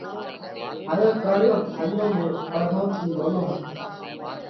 هائيون ترڻيون ڀائيون ۾ ٻڌون ٿِي نونو هتو۔